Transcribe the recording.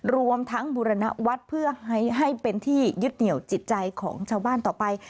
รวมทั้งบุรณวัฒน์เพื่อให้เป็นที่ยึดเหนียวจิตใจของชาวบ้านต่อไป